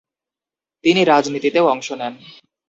তিনি রাজনীতিতেও অংশ নেন।